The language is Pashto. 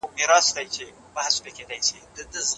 اقتصادي پرمختګ د پانګې او کار ګډ عمل غواړي.